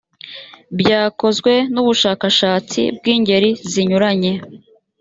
byakozwe mubushakashatsi bw ingeri zinyuranye